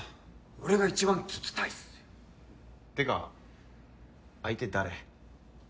俺が一番聞きたいっすよってか相手誰？